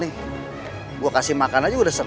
yang bisa jual duit